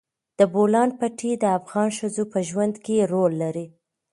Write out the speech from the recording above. د بولان پټي د افغان ښځو په ژوند کې رول لري.